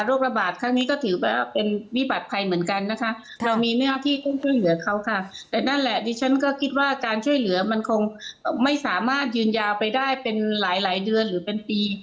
ระบาดครั้งนี้ก็ถือว่าเป็นวิบัติภัยเหมือนกันนะคะเรามีหน้าที่ต้องช่วยเหลือเขาค่ะแต่นั่นแหละดิฉันก็คิดว่าการช่วยเหลือมันคงไม่สามารถยืนยาวไปได้เป็นหลายหลายเดือนหรือเป็นปี